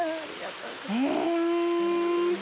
へえ。